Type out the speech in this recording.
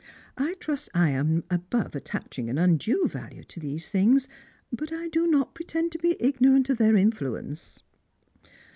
I trust I am above attaching an undue value to these things : but I do not pretend to be igno rant of their influence."